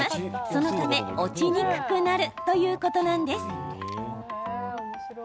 そのため、落ちにくくなるということなんです。